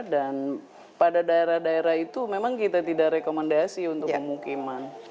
dan pada daerah daerah itu memang kita tidak rekomendasi untuk pemukiman